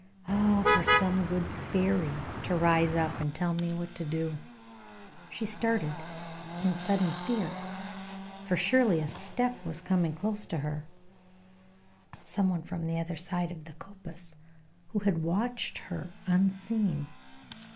Oh, for some good fairy to rise up and tell me what to do!" She started in sudden fear, for surely a step was coming close to her, some one from the other side of the coppice, who had watched her unseen.